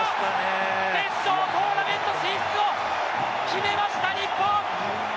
決勝トーナメント進出を決めました、日本！